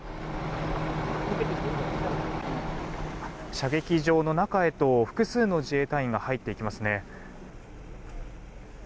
射撃場の中へと複数の自衛隊員が入っていきますね。